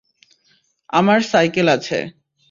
আমার সাইকেল আছে।